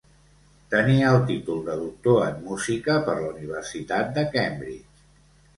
Tenia el títol de doctor en música per la Universitat de Cambridge.